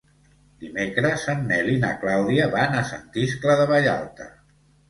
Dimecres en Nel i na Clàudia van a Sant Iscle de Vallalta.